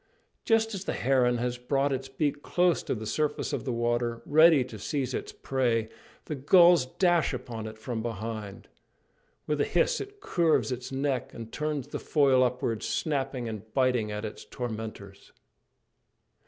Just as the heron has brought its beak close to the surface of the water, ready to seize its prey, the gulls dash upon it from behind. With a hiss it curves its neck and turns the foil upwards, snapping and biting at its tormentors.